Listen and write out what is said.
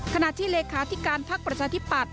ขณะที่เลขาธิการพักประชาธิปัตย